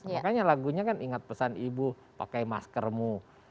makanya lagunya kan ingat pesan ibu pakai maskermu